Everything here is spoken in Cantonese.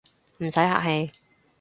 唔使客氣